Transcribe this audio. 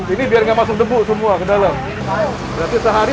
ini biar nggak masuk debu semua ke dalam